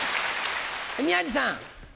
宮治さん。